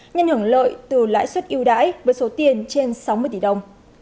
nhân hưởng lợi từ lãi suất ưu đãi với số tiền trên sáu mươi tỷ đồng